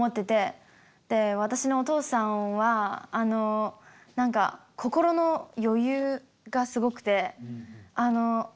私のお父さんは何か心の余裕がすごくて。